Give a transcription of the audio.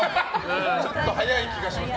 ちょっと早い気がします。